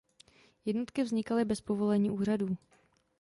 Jednotky vznikaly bez povolení úřadů.